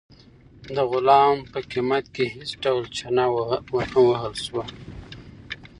د غلام په قیمت کې هیڅ ډول چنه ونه وهل شوه.